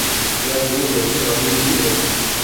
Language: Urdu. کیا دور دیکھنے والی ان کی نظر تھی۔